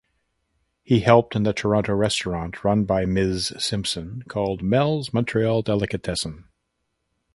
He helped in the Toronto restaurant run by Ms Simpson called "Mel’s Montreal Delicatessen".